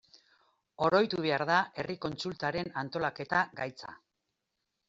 Oroitu behar da herri kontsultaren antolaketa gaitza.